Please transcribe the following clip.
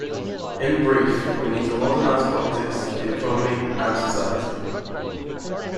In brief, we need to modernize politics, the economy, and society.